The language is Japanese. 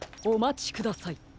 おまちください。